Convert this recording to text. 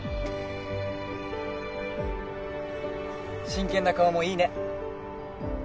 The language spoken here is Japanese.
真剣な顔もいいね。